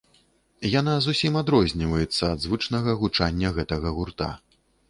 Яна зусім адрозніваецца ад звычнага гучання гэтага гурта.